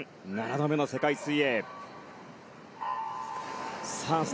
７度目の世界水泳です。